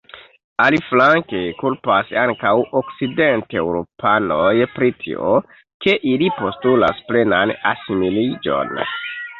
Aliflanke, kulpas ankaŭ okcidenteŭropanoj pri tio, ke ili postulas plenan asimiliĝon.